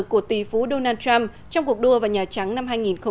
của tỷ phú donald trump trong cuộc đua vào nhà trắng năm hai nghìn một mươi chín